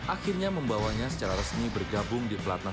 akhirnya membawanya secara resmi bergabung di platnas